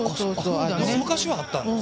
昔はあったんですか！